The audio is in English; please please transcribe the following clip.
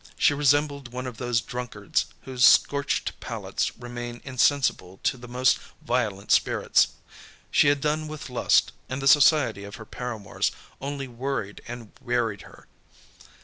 She resembled one of those drunkards whose scorched palates remain insensible to the most violent spirits. She had done with lust, and the society of her paramours only worried and wearied her.